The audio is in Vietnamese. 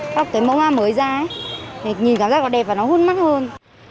các cái mẫu mã mới ra nhìn cảm giác nó đẹp và nó hôn mắt hơn